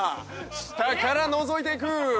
下からのぞいていく。